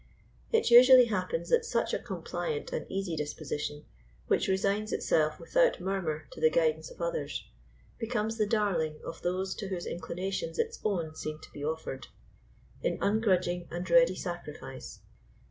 It usually happens that such a compliant and easy disposition, which resigns itself without murmur to the guidance of others, becomes the darling of those to whose inclinations its own seem to be offered, in ungrudging and ready sacrifice.